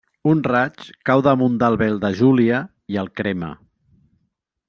Un raig cau damunt del vel de Júlia i el crema.